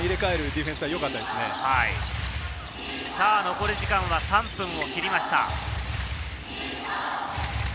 残り時間は３分を切りました。